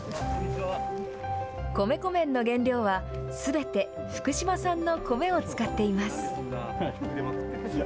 米粉麺の原料は、すべて福島産の米を使っています。